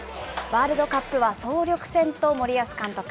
ワールドカップは総力戦と森保監督。